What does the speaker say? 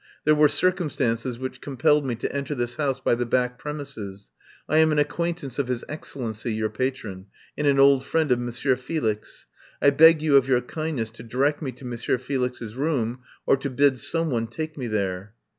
There were circumstances which compelled me to enter this house by the back premises. I am an acquaintance of His Excellency, your pa tron, and an old friend of Monsieur Felix. I beg you of your kindness to direct me to Monsieur Felix's room, or to bid some one take me there."